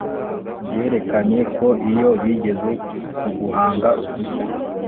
Ryerekanye ko iyo bigeze ku guhanga udushya